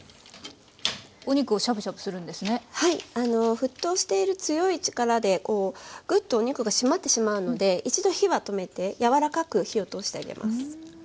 沸騰している強い力でこうぐっとお肉が締まってしまうので一度火は止めて柔らかく火を通してあげます。